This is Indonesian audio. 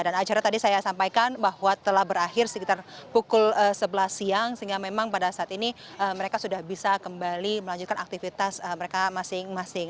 dan acara tadi saya sampaikan bahwa telah berakhir sekitar pukul sebelas siang sehingga memang pada saat ini mereka sudah bisa kembali melanjutkan aktivitas mereka masing masing